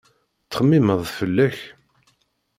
Ttxemmimeɣ fell-ak.